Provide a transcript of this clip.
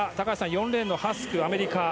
４レーンのハスク、アメリカ。